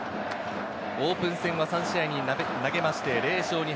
オープン戦は３試合に投げまして０勝２敗。